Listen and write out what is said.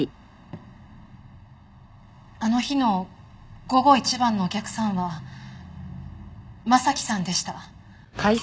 あの日の午後一番のお客さんは征さんでした。